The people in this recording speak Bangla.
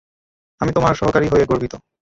আমি তোমার সহকারী হয়ে গর্বিত।